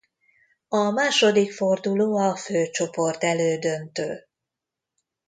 A második forduló a főcsoport-elődöntő.